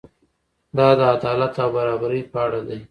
دا د عدالت او برابرۍ په اړه دی.